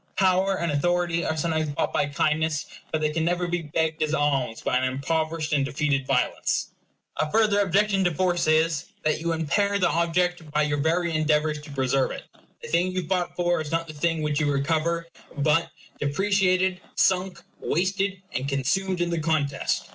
Power and authority are sometimes bought by kindness; but they can never be begged as alms by an impoverished and defeated violence. A further objection to force is, that you impair the object by your very endeavors to preserve it. The thing you fought for is not the thing which you recover; but depreciated, sunk, wasted, and consumed in the contest.